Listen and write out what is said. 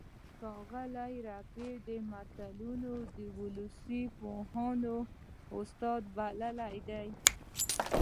ښاغلي رفیع متلونه د ولسي پوهانو استازي بللي دي